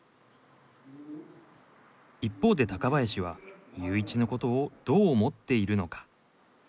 一方で高林はユーイチのことをどう思っているのか。